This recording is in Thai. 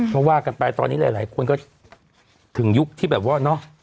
เพราะว่ากันไปตอนนี้หลายคนก็ถึงยุคที่แบบว่า